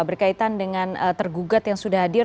berkaitan dengan tergugat yang sudah hadir